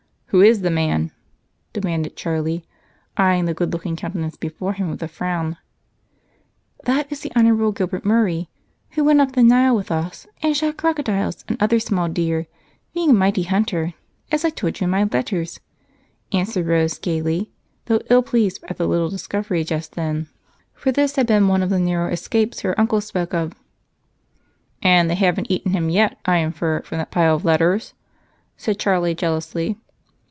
"Who is the man?" demanded Charlie, eyeing the good looking countenance before him with a frown. "That is the Honorable Gilbert Murray, who went up the Nile with us and shot crocodiles and other small game, being a mighty hunter, as I told you in my letters," answered Rose gaily, though ill pleased at the little discovery just then, for this had been one of the narrow escapes her uncle spoke of. "And they haven't eaten him yet, I infer from the pile of letters?" said Charlie jealously.